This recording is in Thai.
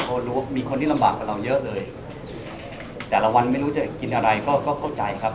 เพราะรู้ว่ามีคนที่ลำบากกว่าเราเยอะเลยแต่ละวันไม่รู้จะกินอะไรก็ก็เข้าใจครับ